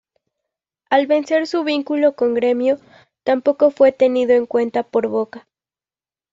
Al vencer su vínculo con Grêmio, tampoco fue tenido en cuenta por Boca.